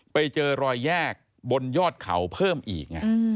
ไปเจอรอยแยกบนยอดเขาเพิ่มอีก